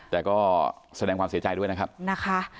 แต่ก็แสดงความเสียใจด้วยนะครับนะคะ